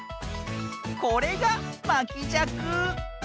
これがまきじゃく。